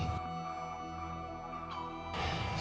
jadi sakti minta